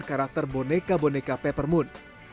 karakter boneka boneka peppermoon